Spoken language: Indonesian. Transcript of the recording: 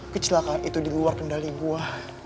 kecilakan itu di luar kendali gue